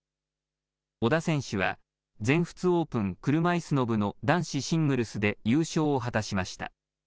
小田選手は、全仏オープン車いすの部の男子シングルスで優勝を果たしました。